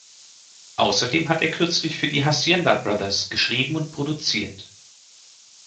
Außerdem hat er kürzlich für die Hacienda Brothers geschrieben und produziert.